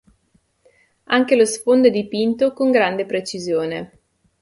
Anche lo sfondo è dipinto con grande precisione.